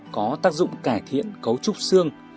có tác dụng cải thiện cấu trúc xương